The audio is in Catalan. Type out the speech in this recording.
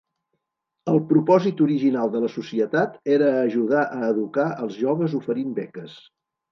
El propòsit original de la societat era ajudar a educar els joves oferint beques.